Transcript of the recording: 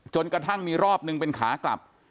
กระทั่งมีรอบนึงเป็นขากลับ